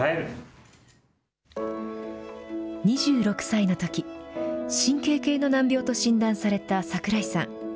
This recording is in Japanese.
２６歳のとき、神経系の難病と診断された櫻井さん。